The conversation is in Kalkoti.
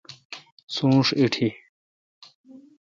سونش ایٹی۔